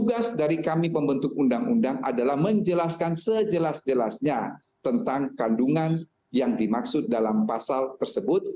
tugas dari kami pembentuk undang undang adalah menjelaskan sejelas jelasnya tentang kandungan yang dimaksud dalam pasal tersebut